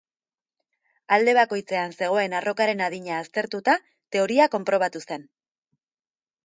Alde bakoitzean zegoen arrokaren adina aztertuta teoria konprobatu zen.